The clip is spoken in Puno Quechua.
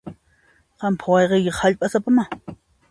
Qampaq wayqiykiqa hallp'asapamá.